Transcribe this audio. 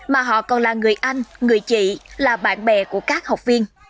mà họ còn là người anh người chị là bạn bè của các học viên